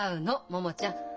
桃ちゃん。